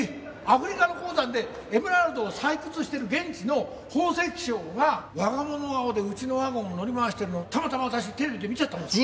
アフリカの鉱山でエメラルドを採掘してる現地の宝石商が我が物顔でうちのワゴンを乗り回してるのをたまたま私テレビで見ちゃったんです。